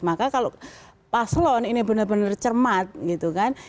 maka kalau paslon ini benar benar cermat gitu kan